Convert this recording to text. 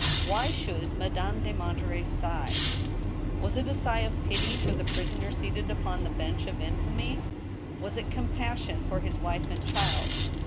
Why should Madame de Monterey sigh ? Was it a sigh of pity for the prisoner seated upon the " bench of infamy "? Was it com passion for his wife and child